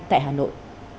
tại hà nội